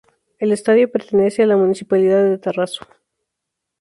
El estadio pertenece a la municipalidad de Tarrazú.